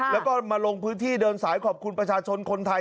แล้วก็มาลงพื้นที่เดินสายขอบคุณประชาชนคนไทย